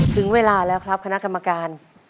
ถึงเวลาแล้วครับคณะกรรมการ